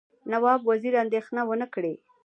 نواب وزیر اندېښنه ونه کړي.